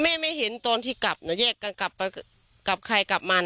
ไม่เห็นตอนที่กลับนะแยกกันกลับไปกับใครกลับมัน